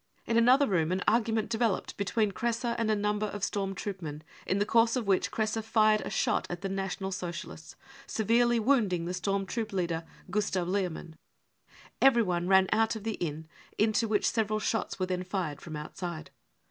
In another room an argument developed between Kresse and a number of storm troop men, in the course of which Kresse fired a shot at the National Socialists, severely wounding the storm troop leader Gustav Lehmann. Everyone ran out of the inn, into which' several shots were then fired from outside.